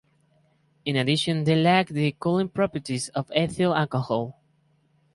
In addition they lacked the cooling properties of ethyl alcohol.